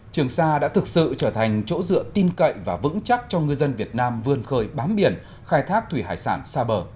trường sa đã thực sự trở thành chỗ dựa tin cậy và vững chắc cho ngư dân việt nam vươn khơi bám biển khai thác thủy hải sản xa bờ